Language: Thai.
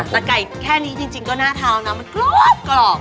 ในไก่แค่นี้จริงหน้าเท้าน้ำกรอบ